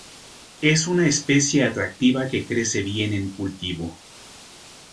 Es una especie atractiva que crece bien en cultivo.